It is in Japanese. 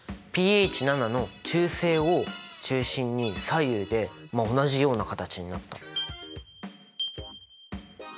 ｐＨ７の中性を中心に左右でまあ同じような形になった。